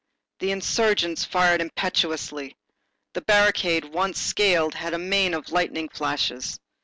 The insurgents fired impetuously. The barricade once scaled had a mane of lightning flashes.